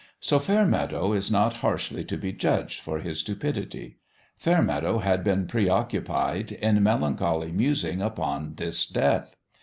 So Fairmeadow is not harshly to be judged for his stupidity : Fairmeadow had been preoccupied in melancholy musing upon this death.